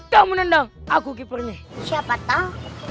kamu nendang aku keeper nih